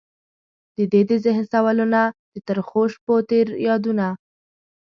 ددې د ذهن سوالونه، د ترخوشپوتیر یادونه